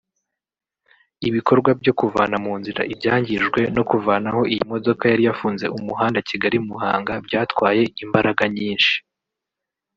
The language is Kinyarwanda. Ibikorwa byo kuvana mu nzira ibyangijwe no kuvanaho iyi modoka yari yafunze umuhanda Kigali-Muhanga byatwaye imbaraga nyinshi